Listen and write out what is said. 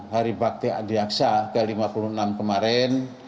hari bakti adiaksa ke lima puluh enam kemarin